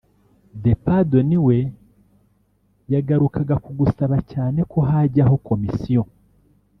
The Pardon we yagarukaga ku gusaba cyane ko hajyaho Komisiyo